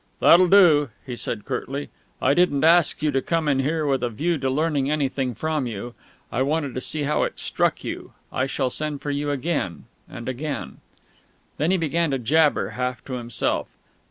"That'll do," he said curtly. "I didn't ask you to come in here with a view to learning anything from you. I wanted to see how it struck you. I shall send for you again and again " Then he began to jabber, half to himself.